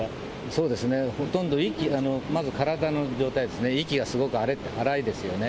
そうですね、ほとんどまず体の状態ですね、息がすごく荒いですよね。